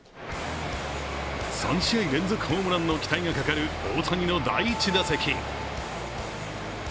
３試合連続ホームランの期待がかかる大谷の第１打席。